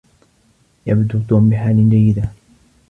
يبدو توم بحال جيدة.